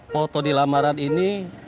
poto di lamaran ini